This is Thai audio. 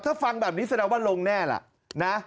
ถ้าฟังแบบนี้แสดงว่าลงแน่ล่ะนะ